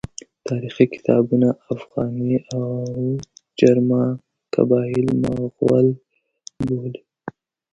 تاریخي کتابونه اوغاني او جرما قبایل مغول بولي.